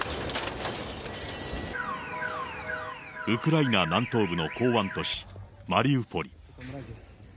ウクライナ南東部の港湾都市、マリウポリ。